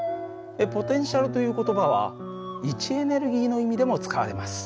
ポテンシャルという言葉は位置エネルギーの意味でも使われます。